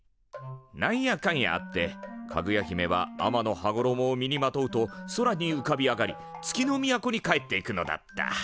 なんやかんやあってかぐや姫は天の羽衣を身にまとうと宙にうかびあがり月の都に帰っていくのだった。